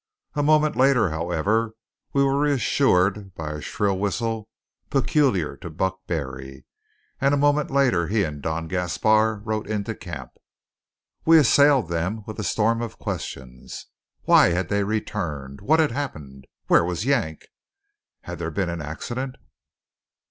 A moment later, however, we were reassured by a shrill whistle peculiar to Buck Barry, and a moment later he and Don Gaspar rode into camp. We assailed them with a storm of questions why had they returned? what had happened? where was Yank? had there been an accident?